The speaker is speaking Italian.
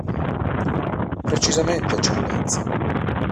Precisamente, Eccellenza!